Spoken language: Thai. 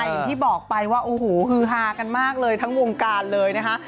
อย่างที่บอกไปว่าโอ้โหฮือฮากันมากเลยทั้งวงการเลยนะคะ